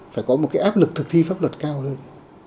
phải có một cái áp lực thực thi pháp luật cao hơn